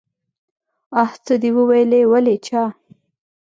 آ څه دې وويلې ولې چا.